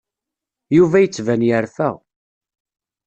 Yuba yettban yerfa.